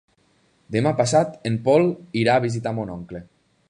Demà passat en Pol irà a visitar mon oncle.